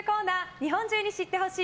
日本中に知って欲しい！